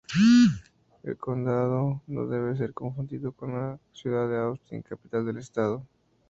El condado no debe ser confundido con la ciudad de Austin, capital del Estado.